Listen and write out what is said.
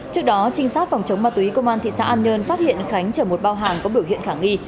trước đó trinh sát phòng chống ma túy công an thị xã an nhơn phát hiện khánh chở một bao hàng có biểu hiện khả nghi